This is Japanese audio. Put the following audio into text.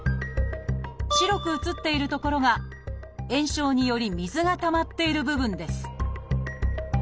白く写っている所が炎症により水がたまっている部分です